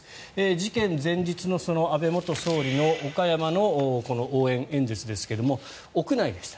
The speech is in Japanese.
事件前日の安倍元総理の岡山の応援演説ですが屋内でした。